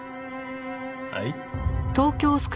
はい？